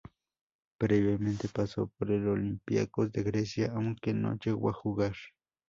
Previamente pasó por el Olympiakos de Grecia, aunque no llegó a jugar.